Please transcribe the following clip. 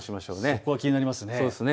そこが気になりますね。